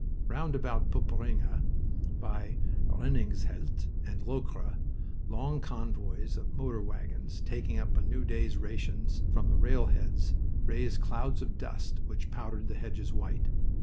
Round about Poperinghe, by Reninghelst and Locre, long convoys of motor wagons, taking up a new day's rations from the rail heads, raised clouds of dust which powdered the hedges white.